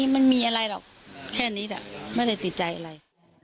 มันมีอะไรหรอกแค่นี้แต่ไม่ได้ติดใจอะไร